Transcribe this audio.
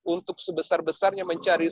untuk sebesar besarnya mencari